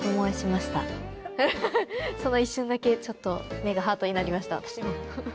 その一瞬だけちょっと目がハートになりました。